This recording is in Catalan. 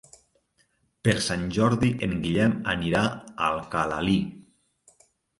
Per Sant Jordi en Guillem anirà a Alcalalí.